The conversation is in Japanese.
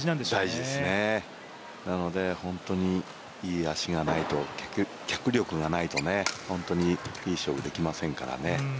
大事なので本当にいい足がないと脚力がないと、本当にいい勝負できませんからね。